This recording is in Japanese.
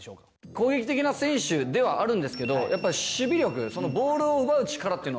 攻撃的な選手ではあるんですけどやっぱり守備力そのボールを奪う力っていうのはありますよね。